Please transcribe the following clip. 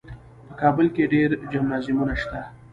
په کابل کې ډېر جمنازیمونه شته.